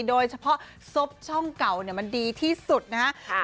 โดยเฉพาะซบช่องเก่ามันดีที่สุดนะครับ